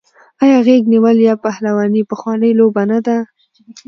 آیا غیږ نیول یا پهلواني پخوانۍ لوبه نه ده؟